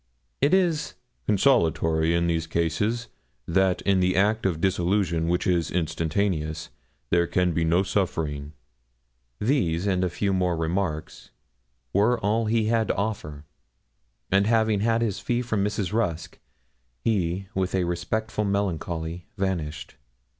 It is 'consolatory in these cases that in the act of dissolution, which is instantaneous, there can be no suffering.' These, and a few more remarks, were all he had to offer; and having had his fee from Mrs. Rusk, he, with a respectful melancholy, vanished.